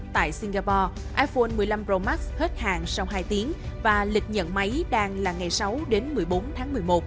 tại singapore iphone một mươi năm pro max hết hàng sau hai tiếng và lịch nhận máy đang là ngày sáu đến một mươi bốn tháng một mươi một